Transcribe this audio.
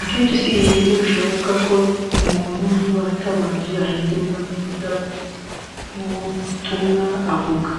Akenshi si ibintu bishoboka ko umuntu niba atabanje ngo ahindurwe neza n’ubutumwa avuga